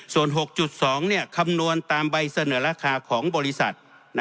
ส่วน๖๒คำนวณตามใบเสนอราคาของบริษัท